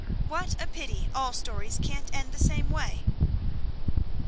What a pity all stories can't end the same way!